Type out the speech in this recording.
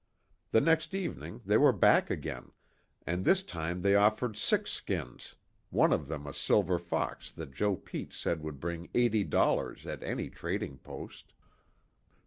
The next evening they were back again, and this time they offered six skins, one of them a silver fox that Joe Pete said would bring eighty dollars at any trading post.